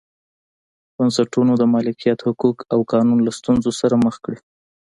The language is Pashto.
بنسټونو د مالکیت حقوق او قانون له ستونزو سره مخ کړي.